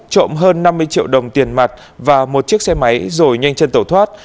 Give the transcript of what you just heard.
trộm hơn năm mươi triệu đồng tiền mặt và một chiếc xe máy rồi nhanh chân tẩu thoát